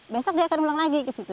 besok dia akan ulang lagi ke situ